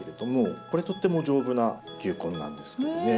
これとっても丈夫な球根なんですけどね。